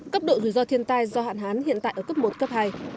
cấp độ rủi ro thiên tai do hạn hán hiện tại ở cấp một cấp hai